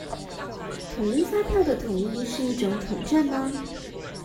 統一發票的統一，是一種統戰嗎？